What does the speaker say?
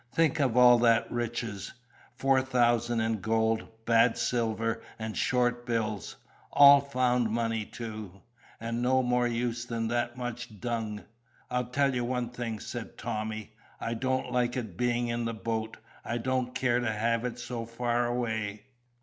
"Think of all that riches, four thousand in gold, bad silver, and short bills all found money, too! and no more use than that much dung!" "I'll tell you one thing," said Tommy. "I don't like it being in the boat I don't care to have it so far away."